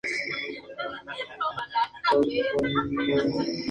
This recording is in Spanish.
A su figura se le atribuyeron muchos rasgos de la personalidad histórica de Rostam.